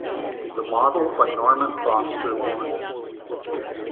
The model by Norman Foster won.